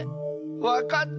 わかった！